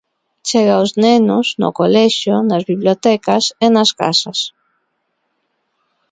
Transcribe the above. Chega aos nenos, no colexio, nas bibliotecas e nas casas.